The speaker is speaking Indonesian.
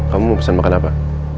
kamu mau pesan makan apa